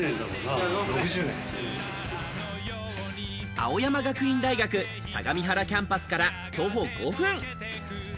青山学院大学相模原キャンパスから徒歩５分。